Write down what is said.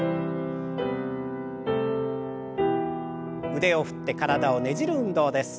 腕を振って体をねじる運動です。